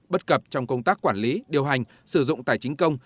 bất cập trong công tác quản lý điều hành sử dụng tài chính công